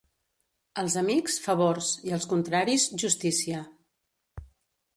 Als amics, favors, i als contraris, justícia.